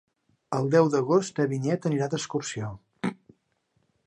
El deu d'agost na Vinyet anirà d'excursió.